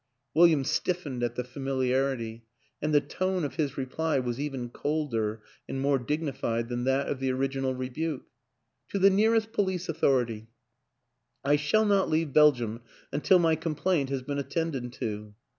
" William stiffened at the familiarity, and the tone of his reply was even colder and more digni fied than that of the original rebuke. "To the nearest police authority; I shall not leave Belgium until my complaint has been at tended to.